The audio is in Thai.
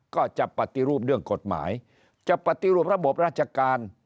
ก็จะปฏิรูปเรื่องกฎหมายจะปฏิรูประบบราชการ